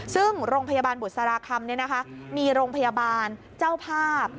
ซึ่งโรงพยาบาลบุษราคำมีโรงพยาบาลเจ้าภาพ